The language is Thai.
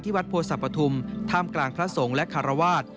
ที่วัดโพศพภัทธุมท่ามกลางพระสงฆ์และขารวาส